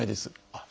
あっ